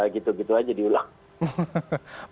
gitu gitu aja diulang